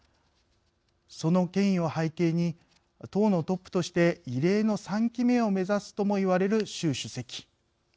その権威を背景に党のトップとして異例の３期目を目指すとも言われる習主席。